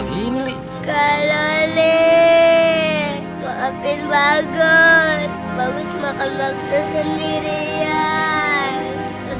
gini kalau nih maafin bagus bagus makan bakso sendirian